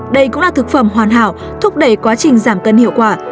đây cũng là thực phẩm hoàn hảo thúc đẩy quá trình giảm cân hiệu quả